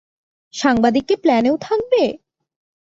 সাংবাদিক কী প্ল্যানেও থাকবে?